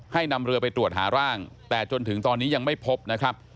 นำเรือไปตรวจหาร่างแต่จนถึงตอนนี้ยังไม่พบนะครับ